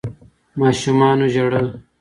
ماشومانو ژړل.